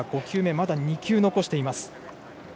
まだ２球残しています。